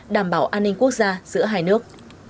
đảm bảo an ninh quốc gia giữa hai nước